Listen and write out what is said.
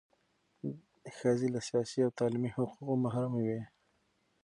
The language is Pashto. ښځې له سیاسي او تعلیمي حقوقو محرومې وې.